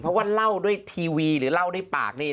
เพราะว่าเล่าด้วยทีวีหรือเล่าด้วยปากนี่